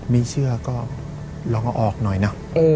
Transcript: ไม่เชื่อก็ลองเอาออกหน่อยนะ